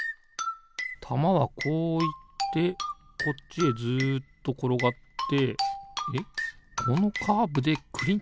たまはこういってこっちへずっところがってえっこのカーブでくりってまがんのかな？